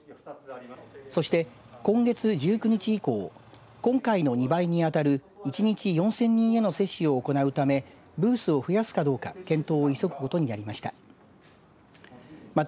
そして、今月１９日以降今回の２倍にあたる１日４０００人への接種を行うためブースを増やすかどうか検討を急ぐことになりました。